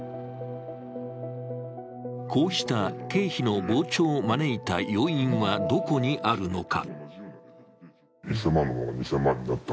こうした経費の膨張を招いた要因はどこにあるのか。